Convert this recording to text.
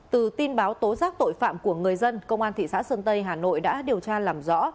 từ tin báo tố giác tội phạm của người dân công an thị xã sơn tây hà nội đã điều tra làm rõ